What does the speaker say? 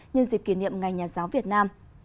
nhân dịp kỷ niệm ngày nhà giáo việt nam